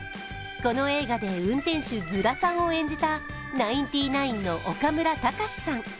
この映画で運転手・ヅラさんを演じたナインティナインの岡村隆史さん。